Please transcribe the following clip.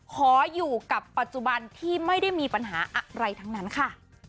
ขออยู่กับปัจจุบันที่ไม่ได้มีปัญหาอะไรทั้งนั้นค่ะ